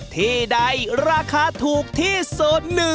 ที่ใดราคาถูกที่สุด